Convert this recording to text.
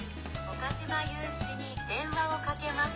「岡嶋裕史に電話をかけます」。